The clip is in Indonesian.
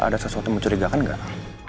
ada sesuatu mencurigakan gak